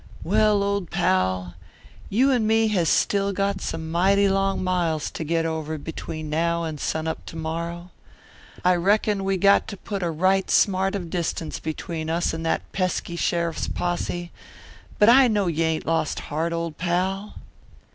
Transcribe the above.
"Well, old pal, you and me has still got some mighty long miles to git over between now and sunup to morrow. I reckon we got to put a right smart of distance between us and that pesky sheriff's posse, but I know yuh ain't lost heart, old pal."